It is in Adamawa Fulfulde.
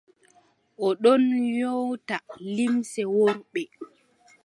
O ɗon nyoota limce worɓe.